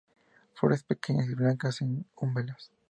Flores pequeñas y blancas, en umbelas.